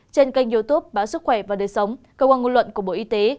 trên kênh youtube báo sức khỏe và đời sống cơ quan ngôn luận của bộ y tế